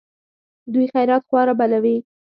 دوی خیرات خواره بلوي.